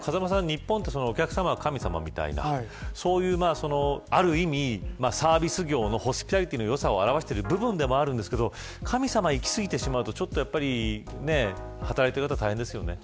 日本ってお客さまが神様みたいなある意味サービス業のホスピタリティの良さを表している部分でもありますが神様がいき過ぎてしまうと働いている方は大変ですよね。